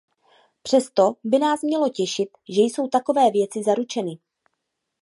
Přesto by nás mělo těšit, že jsou takové věci zaručeny.